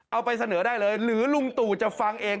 เอาไปเสนอได้เลยหรือลุงตู่จะฟังเอง